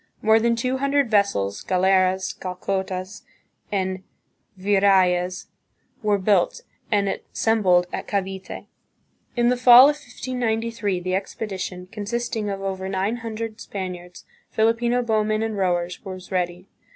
More than two hundred vessels, "galeras," "galeotas," and "virrayes," were built, and assembled at Cavite. In the fall of 1593, the expedition, consisting of over nine hundred Spaniards, Filipino bowmen and rowers, was ready.